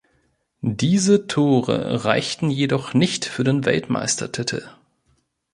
Diese Tore reichten jedoch nicht für den Weltmeistertitel.